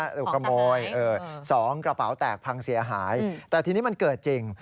ของจะไหนเออสองกระเป๋าแตกพังเสียหายแต่ทีนี้มันเกิดจริง